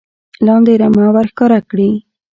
لاندې رمه ور ښکاره کړي .